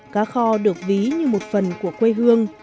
cá kho được ví như một phần của quê hương